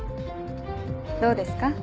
どうですか？